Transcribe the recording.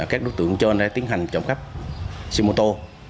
các đối tượng cho nó tiến hành trộm cắp xe mô tô